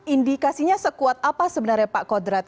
indikasinya sekuat apa sebenarnya pak kodrat